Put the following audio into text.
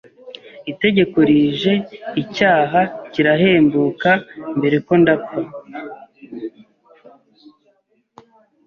itegeko rije icyaha kirahembuka mbera ko ndapfa